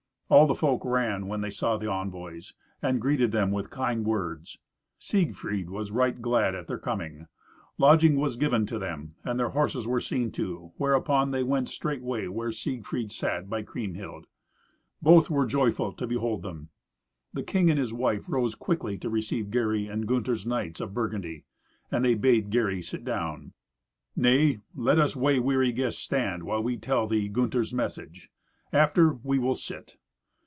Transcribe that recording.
All the folk ran when they saw the envoys and greeted them with kind words. Siegfried was right glad at their coming. Lodging was given to them, and their horses were seen to, whereupon they went straightway where Siegfried sat by Kriemhild. Both were joyful to behold them. The king and his wife rose quickly to receive Gary and Gunther's knights of Burgundy. And they bade Gary sit down. "Nay, let us way weary guests stand while we tell thee Gunther's message. After, we will sit.